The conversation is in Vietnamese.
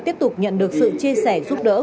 tiếp tục nhận được sự chia sẻ giúp đỡ